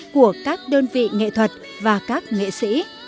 của các đơn vị nghệ thuật và các nghệ sĩ